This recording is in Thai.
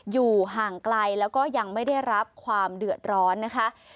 อยู่ห่างไกลแล้วก็ยังไม่ได้รับความเดือดร้อนนะคะ